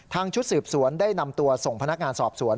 ชุดสืบสวนได้นำตัวส่งพนักงานสอบสวน